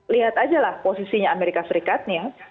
lihat aja lah posisinya amerika serikat ya